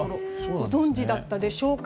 ご存じだったでしょうか。